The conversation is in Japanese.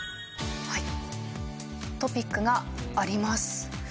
トピックがあります。